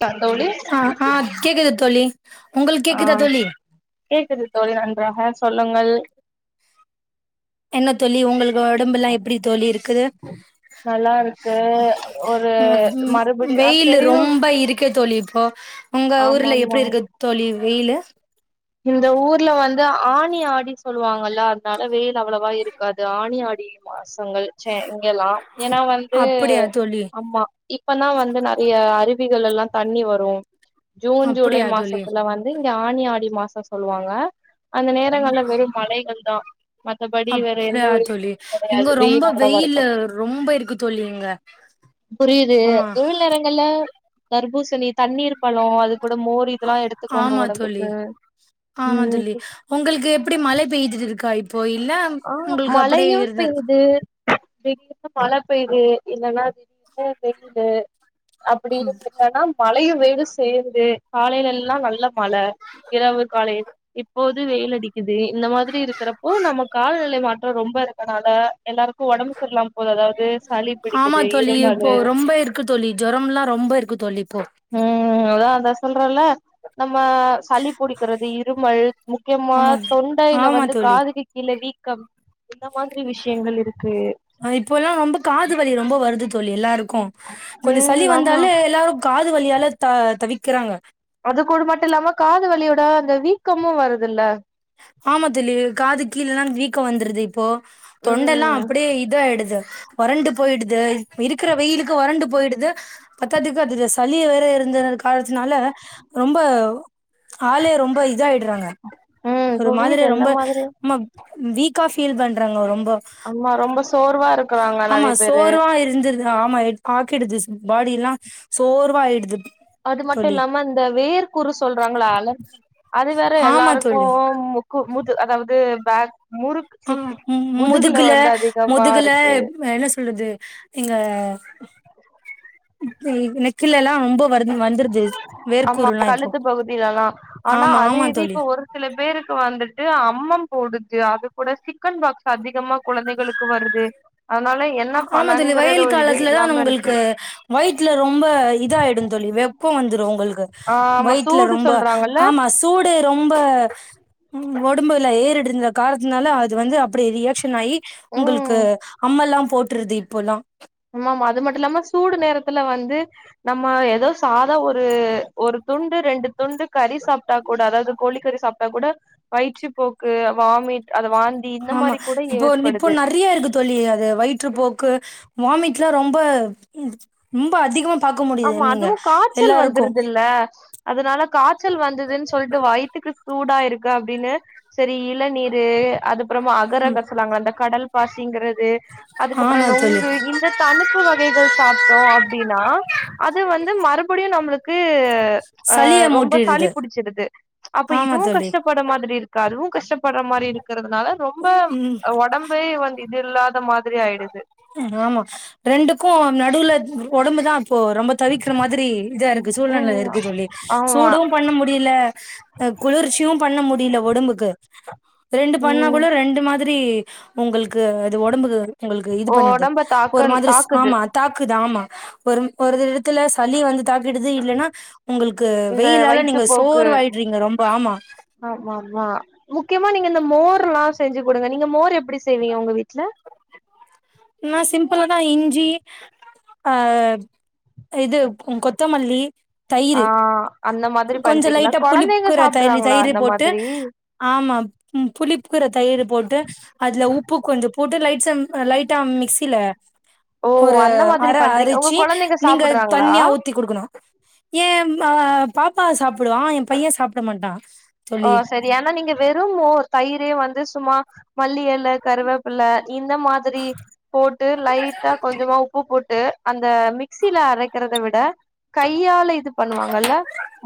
தா தோழி ஆ ஆ கேக்குது தோழி உங்களுக்கு ஆ கேக்குதா தோழி கேக்குது தோழி நன்றாக சொல்லுங்கள் என்ன தோழி உங்களுக் கு ஒடம்புல்லா எப்டி தோழி இருக்குது நல்லா இருக்கு ஒரு மறுபடி அது வெயிலு தெரியு ரொம்ப இருக்கு தோழி இப்போ உங்க ஆமா ஊர்ல ஆமா எப்டி இருக்கு தோழி வெயிலு இந்த ஊர்ல வந்து ஆனி ஆடி சொல்லுவாங்கல்ல அதனால வெயிலு அவ்வளவா இருக்காது ஆனி ஆடி மாசங்கள் செரி இதலாம் ஏனா வந்து அப்படியா தோழி ஆம்மா இப்பதா வந்து நறையா அருவிகள் எல்லா தண்ணி வரும் ஜூன் ஜூலை அப்படியா தோழி மாசத்துல வந்து க ஆனி ஆடி மாச க சொல்லுவாங்க அந்த நேரங்கள்ல வெறு மலைகள் தா மத்தபடி வேற எந்த அப்டியா ஒரு தோழி கெடையாது இங்க ரொம்ப வெயில் அவ்வளவா இருக்கு வெயிலு ரொம்ப இருக்கு தோழி இங்க ஆமா தர்ப்பூசணி தண்ணீர் பழம் அதுக் கூட மோரு இதெல்லா எடுத்துக்கோங்க ஆமா தோழி ஒடம்புக்கு ஆமா ம் தோழி உங்களுக்கு எப்டி மழை பெய்துது காயி போயில்லா ஆ உங்களுக்கு அப்டே இருந்தரு பெகிருனு மழ பெய்யுது இல்லன்னா அது இல்லனா வெயிலு அப்டி இல்லன்னா மழையும் வெயிலு சேருது காலையில எல்லாம் நல்லா மழ இரவு காலே இப்போது வெயில்அடிக்குது பருவ நிலை மாற்றம் ரொம்ப அதனால சளி ஆமா பிடிக்குது தோழி இருமல் இப்போ ரொம்ப இருக்கு தோழி ஜரம் எல்லாம் ரொம்ப இருக்கு தோழி இப்போ உம் அதான் அதான் சொல்றேன் ல நம்ம சளி புடிக்கிறது இருமல் முக்கியமா ஆமா தொண்டையில வந்து காதுக்கு கிழ விக் கம் இப்ப எல்லாம் ரொம்ப காது வலி ரொம்ப வருது தோழி எல்லாருக்கும் கொஞ்சம் சளி ம் ஆமா வந்தாலே எல்லாரும் காத வலியால த தவிக்கிறாங்க அது கூட மட்டும் இல்லாம காது வலியோட அந்த வீக்கமும் வருதுல்ல ஆமா போ தொண்டெல்லாம் ம் அப்படியே இது ஆயிடுது வறண்டு போயிடுது இருக்கிற வெயிலுக்கு வறண்டு போயிடுது பத்தாததுக்கு அதுல சளி வேற இருந்த காலத்துனால ரொம்ப ஆள ரொம்ப இதாயிடுறாங்க ம் ஒரு மாதிரி புரியுது இந்த ரொம்ப மாதிரி ம் வீக்கா ஃபீல் பண்றாங்க ரொம்ப ஆமா ரொம்ப சோர்வா இருக்குறாங்க ஆமா நெறைய பேரு சோர்வா இருந்திருது ஆமா பிடுது பாடி எல்லாம் சோர்வா ஆய்டுது அது மட்டும் இல்லாம இந்த வேர் குறு சொல்றாங்களா அ அது வேற ஆமா தோழி எல்லாருக்கும் முக்கு முது அதாவது பேக் முறுக்கு சி ஆஹ முதுகுல வந்து அதிகமா முதுகுல இருக்கு என்ன சொல்றது இங்க அப்படி நெத்தில எல்லாம் ரொம்ப வருது வந்துருது ஆமா வேர்க்கூறுல்லா இப்போ கழுத்து பகுதியிலதான் ஆனா ஆமா அதே ஆமா இது தோழி இப்ப ஒரு சில பேருக்கு வந்துட்டு அம்ம போடுது அது கூட சிக்கன் பாக்ஸ் அதிகமா குழந்தைகளுக்கு வருது அதனால என்ன ஆமா தோழி பண்ணனுங்கறது வெயில் ஒரு இதே காலத்துல தான் இல்லாம இருக்கு உங்களுக்கு வயித்துல ரொம்ப இதயிடும் தோழி வெப்பம் வந்துடும் உங்களுக்கு ஆ ஆமா வயத்துல சூடு ரொம்ப சொல்றாங்கல்ல ஆமா சூடு ரொம்ப உம் உடம்புல ஏறிடுந்த காலத்துனால அது வந்து அப்படி ரியாக்ஷன் ஆகி உங்களுக்கு ம் அம்ம எல்லாம் போட்டுறது இப்போல்லா ஆமாம அது மட்டு இல்லாம சூடு நேரத்துல வந்து நம்ம ஏதோ சாதா ஒரு ஒரு துண்டு ரெண்டு துண்டு கறி சாப்பிட்டா கூட அதாவது கோழி கறி சாப்பிட்டா கூட வயிற்று போக்கு வாமிட் அது வாந்தி இந்த ஆமா மாரி கூட இப்போ ஏற்படுது இப்போ நெறைய இருக்கு தோழி அது வயிற்று போக்கு வாமிட்லா ரொம்ப ரொம்ப அதிகமா பாக்க முடியுது ஆமா நீங்க அதுவு காய்ச்சல் எல்லாருக்கு வந்துருதுல்ல அதனால காய்ச்சல் வந்ததுன்னு சொல்லிட்டு வயத்துக்கு சூடா இருக்க அப்படின்னு சோரி இளநீரு அதுப்புறமா அகரக சொலாங்களா அந்த கடல் பாசிங்கிறது அதுக்கப்புற ஆமா தோழி நுங்கு இந்த தனிப்பு வகைகள் சாப்பிட்டோ அப்படின்னா அது வந்து மறுபடியு நம்மளுக்கு ஆ சளிய ரொம்ப சளி மூட்டிடுது புடிச்சிருது அப்ப ஆமா இதுவு தோழி கஷ்டப்பட மாதிரி இருக்காதுவு கஷ்டப்பட்ற மாரி இருக் இருறதுனால ரொம்ப ம் உடம்பே வந்து இல்லாத மா ஆமா ரெண்டுக்கு நடுவுல ம் ஒடம்பு தா இப்போ ரொம்ப தவிக்கிற மாதிரி இதா இருக்கு சூழ்நிலில ம் இருக்கு தோழி ஆமா சூடும் பண்ண முடியல அ குளிர்ச்சியு பண்ண முடியல ஒடம்புக்கு ரெண்டு பண்ணா ம் கூட ரெண்டு மாதி ரி உங்களுக்கு அது உடம்புக்கு உங்களுக்கு இது பண்ணுது ஒடம்ப ஒரு தாக்கல் மாதிரி தாக்குது ஆமா தாக்குது ஆமா ஒரு ஒரு இடத்துல சளி வந்து தாக்கிடுது இல்லன்னா உங்களுக்கு இந்த வெயிலால வயித்து நீங்க போக்கு சோர்வாயிடுறீங்க ரொம்ப ஆமா ஆமாம முக்கியமா நீங்க இந்த மோர் லா செஞ்சு கொடுங்க நீங்க மோர் எப்படி செய்வீங்க உங்க வீட்டுல ந சிம்பிள தா இஞ்சி ஆ இது கொத்தமல்லி ஆ தயிரு அந்த மாதிரி கொஞ்சோ பண்றீங்களா லைட்டாக கொழந்தைங்க புளிப்புக்குற தயிர் சாப்டுறாங்களா தயிரு அந்த போட்டு மாதிரி ஆமாம் ம் புளிப்புக்குற தயிர் போட்டு அததுல உப்பு கொஞ்சோ போட்டு லைட்ஸ நா லை ட்ட மிக்ஸில ஓ ஒரு அந்த மாதிரி அரை பண்றீங்க உங்க அரிச்சு கொழந்தைங்க நீங்க சாப்டுறாங்களா தண்ணியா ஊத்தி குடுக்கணு ஏ நா பாப்பா சாப்பிடுவா ஏ பையன் சாப்பிட மாட்டா ஓ தோழி சேரி ஆனா நீங்க வெறும்மோர் தயிரே வந்து சும்மா மல்லி இல கருவேப்பில இந்த மாதிரி போட்டு லைட்டா கொஞ்சமா உப்பு போட்டு த மிக்ஸ்சில அரைக்கிறத விட இத கையால இது பண்ணுவாங்கல்ல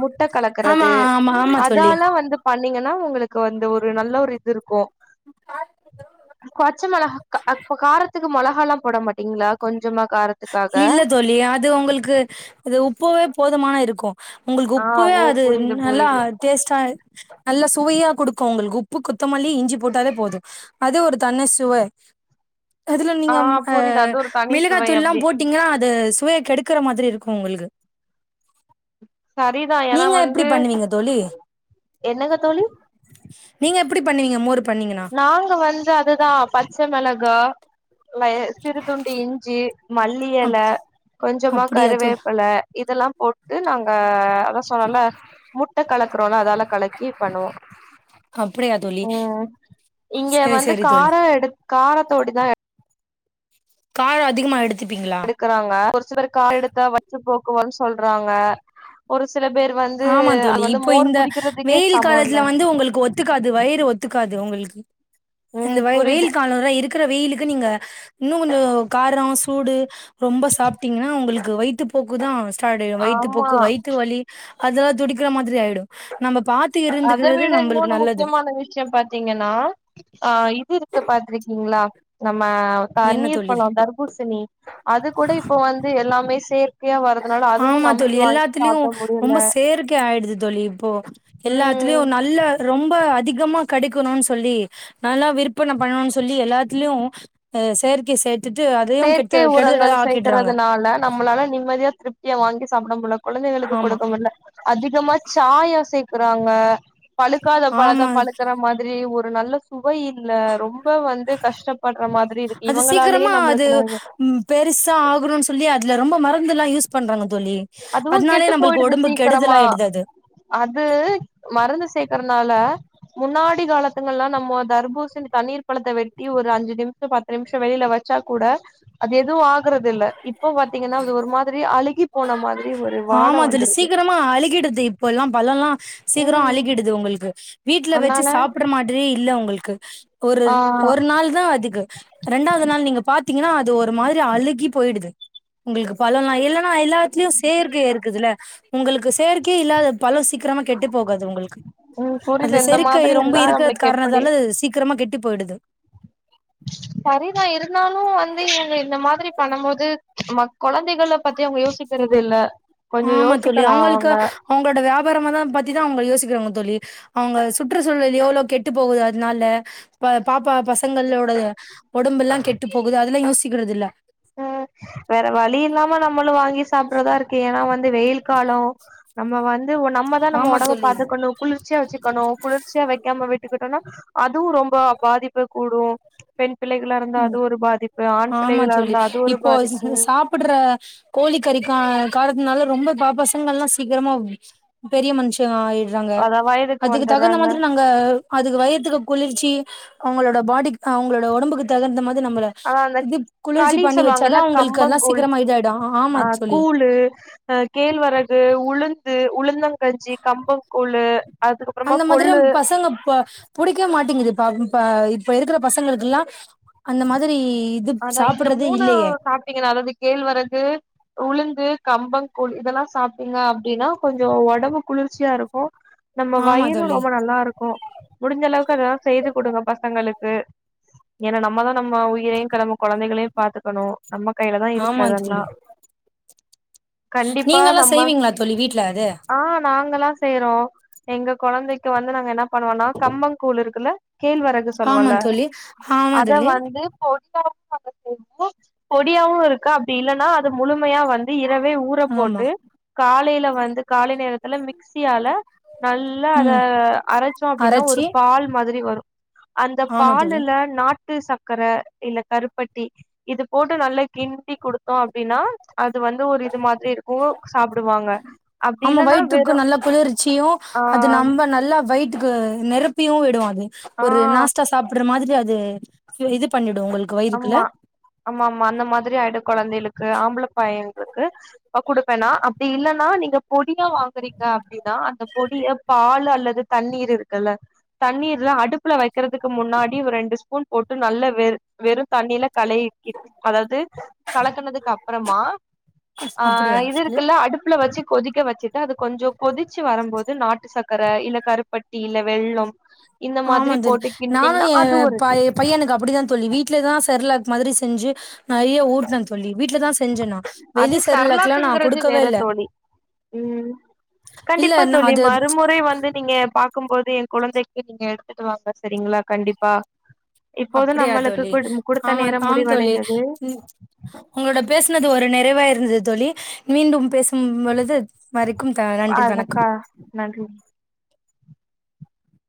முட்டை ஆமா கலக்கறது ஆமா ஆமா தோழி அதாலம் வந் பண்ணீங்கன்னா உங்களுக்கு வந்து ஒரு நல்ல ஒரு இது இருக்கும் பச்ச மொளகா அப்ப காரத்துக்கு மொளக எல்லாம் போட மாட்டீங்களா கொஞ்சமா காரத்துக்காக இல்ல தோழி அது உங்களுக்கு அது உப்பவே போதுமான இருக்கும் உங்களுக்கு ஆ உப்பவே ஓ அது புரியுது நல்லா புரியுது டேஸ்டா நல்லா சுவை சுவைய குடுக்கும் உங்களுக்கு உப்பு கொத்தமல்லி இஞ்சி போட்டாவே போதும் அது ஒரு தனி சுவை அதுல ஆ நீங்க அ புரியுது அது ஒரு தனி மிளகா சுவை தூள்ல்லாம் அப்டி போட்டீங்கன்னா அது சுவையை கெடுக்கிற மாதிரி இருக்கும் குஉங்களுக்கு சரிதான் ஏன்னா வந்து தோழி? என்னங்க தோழி நீங்க எப்படி பண்ணுவீங்க மோர் பண்ணீங்கன்னா? நாங்க வந்து அதுதான் பச்சை மிளகாய சிறுதுண்டு இஞ்சி அப் மல்லிஇலை கொஞ்சமா அப்டியா தோழி கருவேப்பிலை இதெல்லாம் போட்டு நாங்க அத சொன்ன இல்ல முட்டை கலக்கறோம்னா அதெல்லாம் கலக்கி பண்ணுவோம் அப்டியா தோழி. உம் இங்க சரி, வந்து சரி தோழி. கார எடுத்த தோடி தான் காரம் அதிகம் ஆயிடுது எடுக்கறாங்க ஒரு சிலர் கார் எடுத்தா வச்சு போ போன்னு சொல்றாங்க ஒரு சில பேர் வந்து ஆமா அது தோழி வந்து இப்போ மோர் இந்த குடிக்கிறதுக்கே வெயில் சமோ இல்ல காலத்துல வந்து உங்களுக்கு ஒத்துக்காது வயிறு ஒத்துக்காது உங்களுக்கு இந்த ம் புரியுது வெயில் காலம் இருக்கு இருக்கிற வெயிலுக்கு நீங்க இன்னும் கொஞ்ச காரம் சூடு ரொம்ப சாப்பிட்டீங்கன்னா உங்களுக்கு வயித்து போக்கு தான் வய்த்து ஆமா போக்கு வயித்து வலி அதெல்லாம் துடிக்கிற மாதிரி ஆயிடும் நம்ம பா அத விட இன்னொன்னு முக்கியமான விஷயோ பாத்தீங்கன்னா ஆ இது இருக்கு பாத்திருக்கீங்களா மா என்ன தண்ணீர் தோழி பழோ தர்பூசணி அது கூட இப்ப வந்து எல்லாமே சே ஆமா தோழி எல்லாத்துலயு ரொம்ப முடியல செயற்கை ஆயிடுது தோழி இப்போ ம் எல்லாத்துலயு நல்ல ரொம்ப அதிகமா கெடைக்கணுன்னு சொல்லி நல்லா விற்பன பண்ணணுன்னு சொல்லி எல்லாத்திலயு ஆ செயற்கை சேர் செயற்கை உரங்கள் சேக்கறதுனால நம்மளால நிம்மதியா திருப் தியா வாங்கி சாப்ட முடில கொழந்தைகளுக்கு ஆமா கொடுக்க முடில அதிகமா சாயோ சேக்கறாங்க பழுக்காத பழத்த ஆமா பழுக்கற மாதிரி ஒ ரு நல்ல சு வை இல்ல ரொம்ப வந்து கஷ்டப்பட்ற மாதிரி இருக்கு அது இவங்களாலேயே சீக்கிரமா அது நம்மளுக் ம் பெருசா ஆகணுன்னு சொல்லி அதுல ரொம்ப மருந்தெல்லா யூஸ் பண்றாங்க தோழி அதுவு அதனாலே கெட்டு நம்மளுக்கு போயிடுது ஒடம்பு கெடுதல் சீக்கிரமா ஆயிடுது அது அது மருந்து சேக்கறனால முன்னாடி காலத்துல எல்லா நம்ம தர்பூசணி தண்ணீர் பழத்த வெட்டி ஒரு அஞ்சு நிமிஷோ பத்து நிமிஷோ வெளில வச்சா கூட அது எதுவு ஆகுறது இல்ல இப்போ பாத்தீங்கன்னா அது ஒரு மாதிரி அழுகிப் போன மா ஆமா தோழி சீக்கிரமா அழுகிடுது இப்பல்லா பழோல்லா சீக்கிரோ ம் அழுகிடுது உங்களுக் கு வீட்ல வெச்சு அதனால சாப்டற மாதிரியே இல்ல உங்களுக்கு ஒரு ஆ ஒரு நாள்தா அதுக்கு ரெண்டாவது நாள் நீங்க பாத்தீங்கன்னா அது ஒரு மாதிரி அழுகிப் போயிடுது உங்களுக்கு பழோல்லா இல்லன்னா எல்லாத்துலயு செயற்கை இருக்குதுல்ல உங்களுக்கு செயற்கையே இல்லாத பழோ சீக்கிரமா கெட்டுப் போகாது உங்களுக்கு ம் புரிது அதுல இந்த செயற்கை மாதிரி ரொம்ப இருந்தா இருக்கற நம்மளுக்கு எப்டி காரணத்தால சீக்கிரமா கெட்டு போயிடுது சரிதா இருந்தாலு வந்து இவங்க இந்த மாதிரி பண்ணும் போது நம்ம கொழந்தைகள பத் ஆமா தோழி யோசிக்கலா அவங்களுக்கு அவங்க அவங்களோட வியாபாரமாதா பத்தி அவங்க யோசிக்கிறாங்க தோழி அவங்க சுற்றுச்சூழலயோ இல்ல கெட்டுப் போகுது அதனால ப்ப பாப்பா பசங்களோட உடம்பு எல்லா கெட்டு போகுது அத் இதலா யோஸிக்குறதில்ல உ வேற வழி இல்லாம நம்மளு வாங்கிஸ் சாப்பிடுறதா இருக்கு ஏன்னா வந்து வெயில் காலோ நம்ம வந் உ நம்ம தா நம்ம ஆமா ஒடம்ப தோழி பாத்துக்கணு குளிர்ச்சியா வச்சுக்கணு குளிர்ச்சியா வைக்காம விட்டுக்கிட்டோனா அதுவு ரொம் ப பாதிப்ப கூடு பெண் பிள்ளைகளா இருந்த அது ஒரு பாதிப்பு ஆண் ஆமா பிள்ளைகளா இரு தோழி இப்போ சாப்பிடுற கோழிக்கறிக்க காரத் னால ரொம்ப பா பசங்கள்ல்லா சீக்கிரமா பெரிய மனுஷ ஆய் ராங்க அதா வயதுக்கு அதுக்கு தகுந்த வந்துர்றாங்க மாதிரி நாங்க அதுக்கு வயத்துக்கு குளிர்ச்சி அவங்களோட பாடிக் அவங்களோட ஓடம்புக்கு தகுந்தமா ஆனா அந்த களி வச்சாதா சொல்லுவாங்கல்ல அவங்களுக்கு எல்லா கம்பங்கூழ் சீக்கிரமா இதாயிடு ஆமா அ தோழி கூழு அ கேழ்வரகு உளு ந்து உளுந்தங் கஞ்சி கம்பங் கூழு அந்த மாதிரி பசங்க புடிக்கவே மாட்டேங்குது இப்ப இப்ப இருக்கிற பசங்களுக்குல்லா அந்த மாதிரி இது அதா இந்த சாப்பிடுறது மூணு இல்லையே சாப்பிட்டீங்கன்னா அதாவது கேழ்வரகு உளுந்து கம்பங்கூழ் இதெல்லா சாப்ட்டீங்கனா அப்டின்னா கொஞ்சோ ஒடம்பு குளிர்ச்சியா இருக்கு நம்ம ஆமா வயிரு தோழி ரொம்ப நல்லா இருக்கு முடிஞ்ச அளவுக்கு அதெல்லா செய்து குடுங்க பசங்களுக்கு ஏன்னா நம்மதா நம்ம உயிரை கனுரநம்ம குழந்தைகளையு பாத்துக்கணு நம்ம கையில தா இருக்கு ஆமா அதெல்லா தோழி கண்டிப்பா நீங்கல்லா நம்ம செய்வீங்களா தோழி வீட்ல அது ஆ நாங்கல்லா செய்றோ எங்க கொழந்தைக்கு வந்து நாங்க என்ன பண்ணுவனா கம்பங்கூழ் இருக்குல்ல கேழ்வரகு ஆமா சொல்லுவல தோழி ஆமா அத தோழி வந்து போ [inaudible] பொடியாவு இருக்கு அப்டி இல்லன்னா அது முழு மையா வந்து இரவே ஊற ஆமா போட்டு காலையில வந்து காலை நேரத்துல மிக்சியால நல்லா அத ம் அரைச்சோ அப்படின்னா ஒரு அரச்சி பால் மாதிரி வரு அந்த ஆமா தோழி பாலுல நாட் டு சக்கர இல்லக்கருப்பட்டி இது போட்டு நல்லக்கிண்டி குடுத்தோ அப்படின்னா அது வந்து ஒரு இது மாதிரி இருக்கு சாப்டுவாங்க ஆமா அப்டில்லன்னா வயிற்றுக்கு வெறு நல்லா குளிர்ச்சியு ஆ [unintelligible] விடுவாது ஆ ஒரு நாஸ்டா சாப்டற மாதிரி அது து இது பண்ணிடு உங்களுக்கு வயிறுக்குள்ள ஆமா ஆமாமா அந்த மாதிரிஆய்டு கொழந்தையளுக்கு ஆம்பள பயங்களுக்கு அ குடுப்பேனா அப்படி இல்லைன்னா நீங்க போட் பொடியா வாங்குறீங்க அப்டின்னா அந்த பொடிய பால் அல்லது தண்ணீர்ருக்குல்ல தண்ணீர்ல அடுப்புல வைக்கிறதுக்கு முன்னாடி ஒர் ரெண்டு ஸ்பூன் போட்டு நல்ல வெர் வெறு தண்ணில கலக்கிட் அதாவது கலக்கனதுக்கு அப்புறமா ஆ அப்படியா இது இருக்குல்ல அடுப்புல வச்சு கொதிக்க வச்சு அது கொஞ்சோ கொதிச்சு வரும்போது நாட்டுச்சக்கர இல்ல கருப்பட் ஆமா தோழி போட்டு நானு கிண்டினீங்கன்னா எ அது ஒரு இது பை பையனுக்கு அப்படிதா தோழி வீட் வீட்லதா சரலாக் மாதிரி செஞ்சு நெறைய ஊட்னே தோழி வீட்லதா செஞ்சே நா வெளி அது செர்லாக்லா நா சரலாக்குங்கிறது குடுக்கவே இல்ல வேறத்தோழி ம் இல்ல கண்டிப்பா நா தோழி அது மறுமுறை வந்து நீங்க பாக்கு போது குழந்தைக்கு நீங்க எடுத்துட்டுவாங்க சேரிங்களா கண்டிப்பா இப்போது அப்படியா நம்மளுக்கு தோழி குடு குடுத்த ஆமா நேரம் ஆம் தோழி முடிவடைந்தது ம் உங்களோட பேசனது ஒரு நே றைவா தோழி மீண்டும் பேச ம் பொழுது வரைக்கும்தா நன்றி வணக்கம் அதக்கா நன்றி